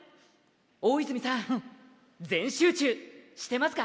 大泉さん、全集中してますか？